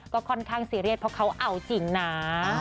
ก็ค่อนข้างซีเรียสเพราะเขาเอาจริงนะ